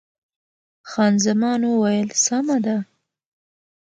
خان زمان وویل، سمه ده.